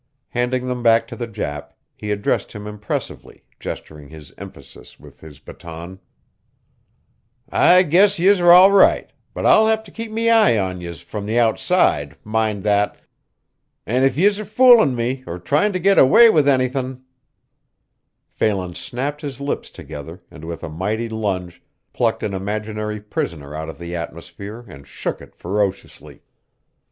Handing them back to the Jap, he addressed him impressively, gesturing his emphasis with his baton: "I guess yez're all right, but I'll have me eye on yez from the outside, mind that and if yez're foolin' me or tryin' to get away with anythin'" Phelan snapped his lips together and with a mighty lunge plucked an imaginary prisoner out of the atmosphere and shook it ferociously.